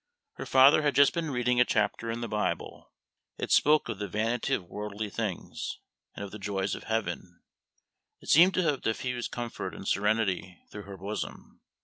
Her father had just been reading a chapter in the Bible: it spoke of the vanity of worldly things and of the joys of heaven: it seemed to have diffused comfort and serenity through her bosom.